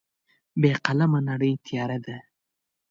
بې قلمه نړۍ تیاره ده.